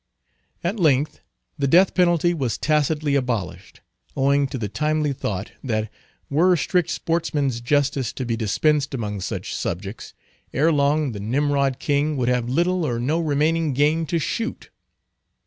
At length the death penalty was tacitly abolished, owing to the timely thought, that were strict sportsman's justice to be dispensed among such subjects, ere long the Nimrod King would have little or no remaining game to shoot.